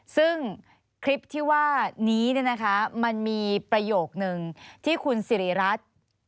ซึ่งคลิปที่ว่านี้มันมีประโยคนึงที่คุณสิริรัตน์